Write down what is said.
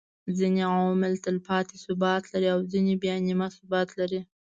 ځيني عوامل تلپاتي ثبات لري او ځيني بيا نيمه ثبات لري